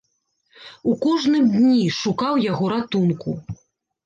У кожным дні шукаў яго ратунку.